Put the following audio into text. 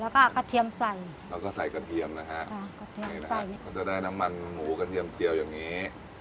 แล้วก็กระเทียมสั่นแล้วก็ใส่กระเทียมนะฮะนี่นะฮะก็จะได้น้ำมันหมูกระเทียมเจียวอย่างนี้